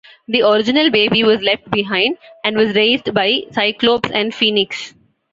The original baby was left behind, and was raised by Cyclops and Phoenix.